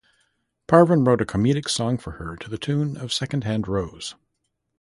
Parvin wrote a comedic song for her to the tune of "Second Hand Rose".